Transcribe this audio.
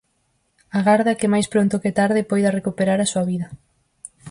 Agarda que máis pronto que tarde poida recuperar a súa vida.